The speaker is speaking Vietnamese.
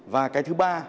và cái thứ ba